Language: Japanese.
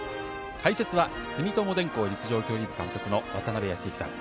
解説は住友電工・陸上競技部監督の渡辺康幸さん。